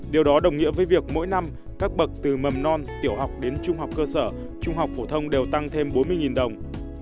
điều đó đồng nghĩa với việc mỗi năm các bậc từ mầm non tiểu học đến trung học cơ sở trung học phổ thông đều tăng thêm bốn mươi đồng